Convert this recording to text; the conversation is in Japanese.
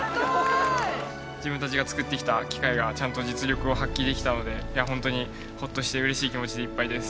自分たちが作ってきた機械がちゃんと実力を発揮できたのでホントにほっとしてうれしい気持ちでいっぱいです。